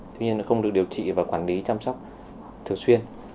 tuy nhiên không được điều trị và quản lý chăm sóc thường xuyên